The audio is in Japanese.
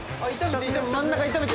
真ん中炒めてる。